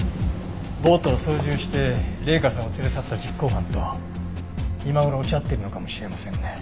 ボートを操縦して麗華さんを連れ去った実行犯と今頃落ち合っているのかもしれませんね。